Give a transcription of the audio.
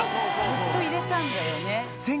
ずっといられたんだよね。